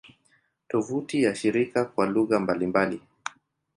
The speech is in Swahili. Tovuti ya shirika kwa lugha mbalimbali